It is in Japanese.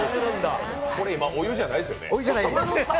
これ今、お湯じゃないですよね。